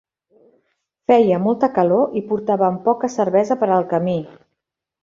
Feia molta calor i portaven poca cervesa per al camí.